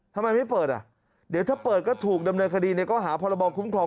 ทำไมไม่เปิดอ่ะเดี๋ยวถ้าเปิดก็ถูกดำเนินคดีในข้อหาพรบคุ้มครอง